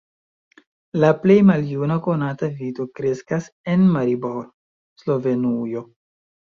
La plej maljuna konata vito kreskas en Maribor, Slovenujo.